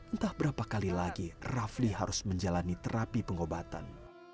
entah berapa kali lagi rafli harus menjalani terapi pengobatan